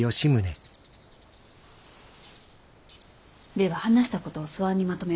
では話したことを素案にまとめ